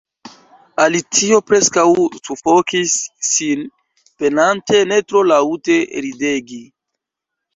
Alicio preskaŭ sufokis sin, penante ne tro laŭte ridegi.